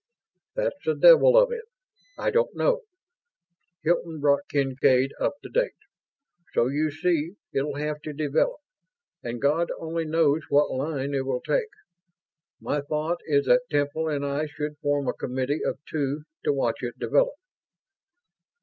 "That's the devil of it I don't know." Hilton brought Kincaid up to date. "So you see, it'll have to develop, and God only knows what line it will take. My thought is that Temple and I should form a Committee of Two to watch it develop."